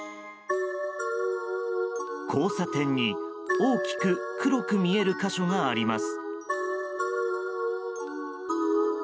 交差点に大きく黒く見える箇所があります。